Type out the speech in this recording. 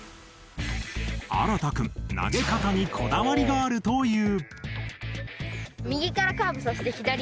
新くん投げ方にこだわりがあるという。